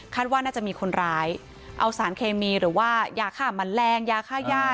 ว่าน่าจะมีคนร้ายเอาสารเคมีหรือว่ายาฆ่ามันแรงยาค่าย่า